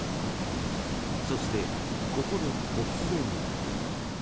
そして、ここで突然。